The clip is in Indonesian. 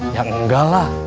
ya enggak lah